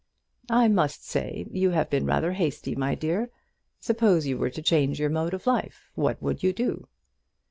"I must say you have been rather hasty, my dear. Suppose you were to change your mode of life, what would you do?"